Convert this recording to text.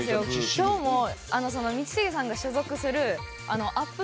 今日も道重さんが所属するアップ